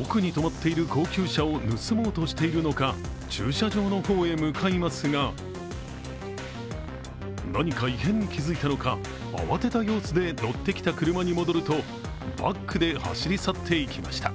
奥に止まっている高級車を盗もうとしているのか駐車場のほうへ向かいますが何か異変に気づいたのか慌てた様子で乗ってきた車に戻るとバックで走り去っていきました。